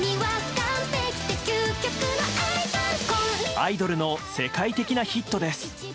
「アイドル」の世界的なヒットです。